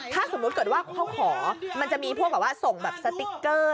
ถ้าจะเกิดเขาขอมันจะมีส่งสติกเกอร์